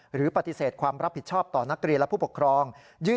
หรือปฏิเสธความรับผิดชอบต่อนักเรียนและผู้ปกครอง